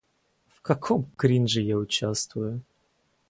В каком кринже я участвую...